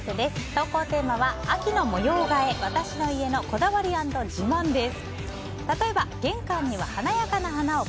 投稿テーマは秋の模様替え私の家のこだわり＆自慢です。